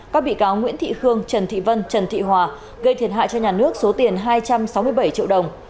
các bị cáo nguyễn thị khương trần thị vân trần thị hòa gây thiệt hại cho nhà nước số tiền hai trăm sáu mươi bảy triệu đồng